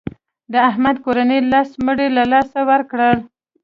د احمد کورنۍ لس مړي له لاسه ورکړل.